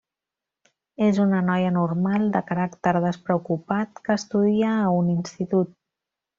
És una noia normal, de caràcter despreocupat que estudia a un institut.